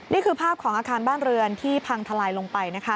นี่คือภาพของอาคารบ้านเรือนที่พังทลายลงไปนะคะ